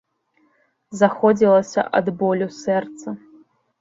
Заходзілася ад болю сэрца.